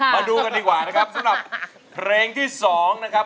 มาดูกันดีกว่านะครับสำหรับเพลงที่๒นะครับ